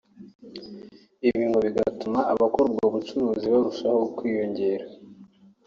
ibi ngo bigatuma abakora ubwo bucuruzi barushaho kwiyongera